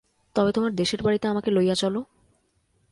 তবে তোমার দেশের বাড়িতে আমাকে লইয়া চলো।